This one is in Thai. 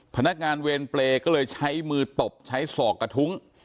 พนักงานเวรเปรย์ก็เลยใช้มือตบใช้ศอกกระทุ้ง